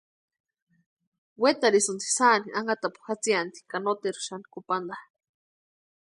Wetarhisïnti sáani anhatapu jatsianti ka noteru xani kupanta.